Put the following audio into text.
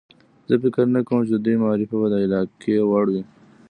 زه فکر نه کوم چې د دوی معرفي به د علاقې وړ وي.